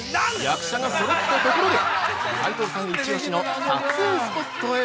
◆役者がそろったところで、齋藤さんイチオシの撮影スポットへ！